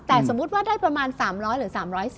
แต่สมมุติว่าได้ประมาณ๓๐๐หรือ๓๔๐